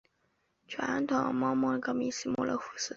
传统涅涅茨人的社会单位是属于父系外婚氏族。